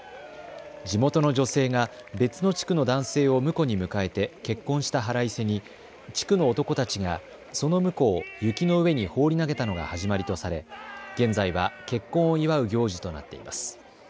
地元の女性が別の地区の男性を婿に迎えて結婚した腹いせに地区の男たちがその婿を雪の上に放り投げたのが始まりとされ現在は結婚を祝う行事となっています。